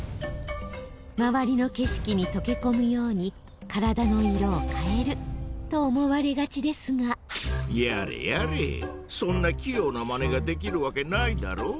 周りの景色にとけこむように体の色を変えると思われがちですがやれやれそんな器用なまねができるわけないだろ？